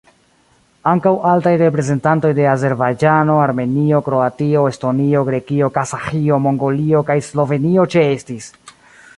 Ankaŭ altaj reprezentantoj de Azerbajĝano, Armenio, Kroatio, Estonio, Grekio, Kazaĥio, Mongolio kaj Slovenio ĉeestis.